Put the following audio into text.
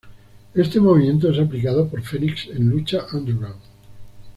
Este movimiento es aplicado por Fenix en Lucha Underground.